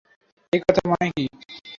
এই কথার মানে কি?